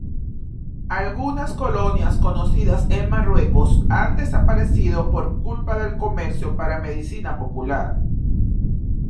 Algunas colonias conocidas en Marruecos han desaparecido por culpa del comercio para medicina popular.